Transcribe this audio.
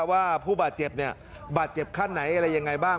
ว่าผู้บาดเจ็บบาดเจ็บขั้นไหนอะไรยังไงบ้าง